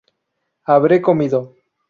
habré comido